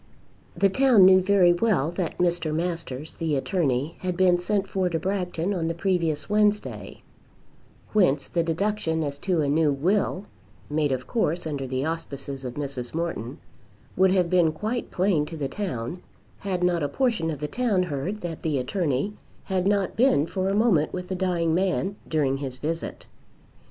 The town knew very well that Mr. Masters, the attorney, had been sent for to Bragton on the previous Wednesday, whence the deduction as to a new will, made of course under the auspices of Mrs. Morton, would have been quite plain to the town, had not a portion of the town heard that the attorney had not been for a moment with the dying man during his visit.